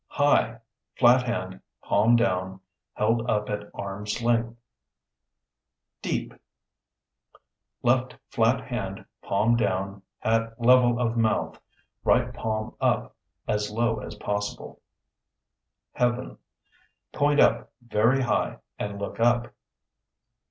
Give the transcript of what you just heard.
High (Flat hand, palm down, held up at arm's length). Deep (Left flat hand palm down at level of mouth, right palm up, as low as possible). Heaven (Point up very high and look up).